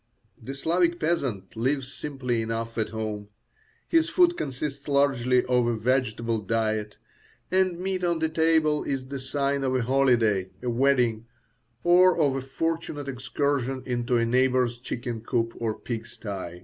The Slavic peasant lives simply enough at home. His food consists largely of a vegetable diet, and meat on the table is the sign of a holiday, a wedding, or of a fortunate excursion into a neighbour's chicken coop or pig sty.